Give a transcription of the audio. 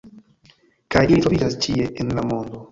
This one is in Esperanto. Kaj ili troviĝas ĉie en la mondo.